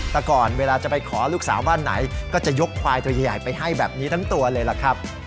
แต่ก่อนเวลาจะไปขอลูกสาวบ้านไหนก็จะยกควายตัวใหญ่ไปให้แบบนี้ทั้งตัวเลยล่ะครับ